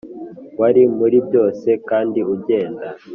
wari muri byose kandi ugenda